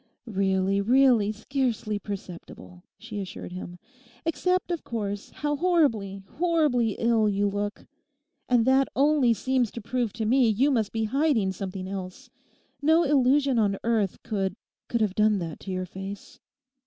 'Really, really, scarcely perceptible,' she assured him, 'except, of course, how horribly, horribly ill you look. And that only seems to prove to me you must be hiding something else. No illusion on earth could—could have done that to your face.